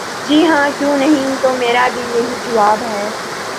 ''جی ہاں، کیوں نہیں‘‘ ''تو میرا بھی یہی جواب ہے۔